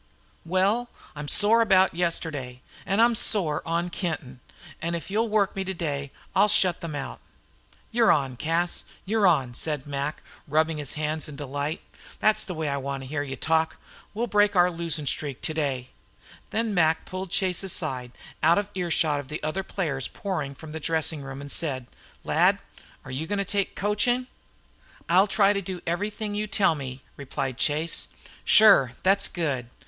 "Well, I'm sore about yesterday, and I'm sore on Kenton, and if you'll work me today I'll shut them out." "You 're on, Cas, you're on," said Mac, rubbing his hands in delight. "Thet's the way I want to hear you talk. We 'll break our losin' streak to day." Then Mac pulled Chase aside, out of earshot of the players pouring from the dressing room, and said, "Lad, are you goin' to take coachin'?" "I'll try to do everything you tell me," replied Chase. "Shure, thet's good.